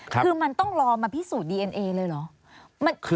คือมันต้องรอมาพิสูจนดีเอ็นเอเลยเหรอ